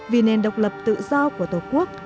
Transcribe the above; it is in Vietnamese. vì nền độc lập tự do của tổ quốc